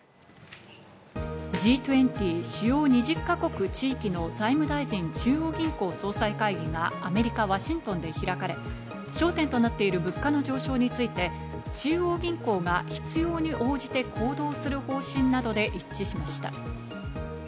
Ｇ２０＝主要２０か国・地域の財務大臣・中央銀行総裁会議がアメリカ・ワシントンで開かれ、焦点となっている物価の上昇について中央銀行が必要に応じて行動する方針などで一致しました。